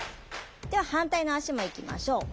では反対の足もいきましょう。